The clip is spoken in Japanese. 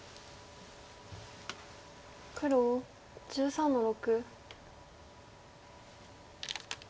黒１３の六。